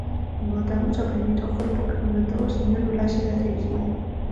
Votamos o primeiro grupo que comentou o señor Braxe Cereixido.